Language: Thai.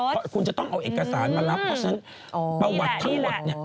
เพราะคุณจะต้องเอาเอกสารมารับเพราะฉะนั้นประวัติทั้งหมดเนี่ย